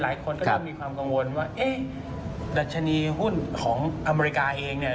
หลายคนก็จะมีความกังวลว่าเอ๊ะดัชนีหุ้นของอเมริกาเองเนี่ย